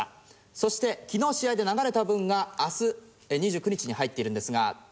そして昨日試合で流れた分が明日２９日に入っているんですが。